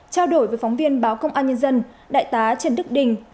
trao đổi với phóng viên báo công an nhân dân đại tá trần đức đình